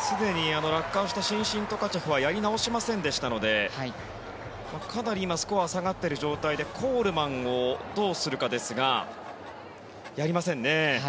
すでに落下をした伸身トカチェフはやり直しませんでしたのでかなりスコアは下がっている状態でコールマンをどうするかですがやりませんね。